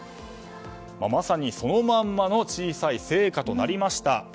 まさにそのまんまの小さい聖火となりました。